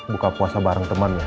buka puasa bareng teman